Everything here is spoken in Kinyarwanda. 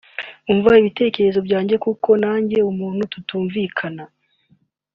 yumva ibitekerezo byanjye kuko nanga umuntu tutumvikana